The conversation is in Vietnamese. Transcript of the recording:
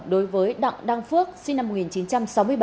đối với đặng đăng phước sinh năm một nghìn chín trăm sáu mươi ba